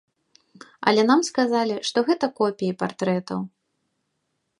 Але нам сказалі, што гэта копіі партрэтаў.